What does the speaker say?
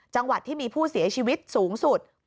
จังหวัดที่มีผู้เสียชีวิตสูงสุด